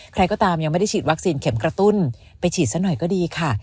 ใครก็ตามยังไม่ได้ฉีดวัคซีนเข็มกระตุ้นไปฉีดซะหน่อยก็ดีค่ะ